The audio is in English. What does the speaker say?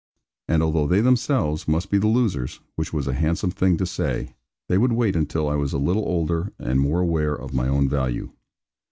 And although they themselves must be the losers which was a handsome thing to say they would wait until I was a little older and more aware of my own value.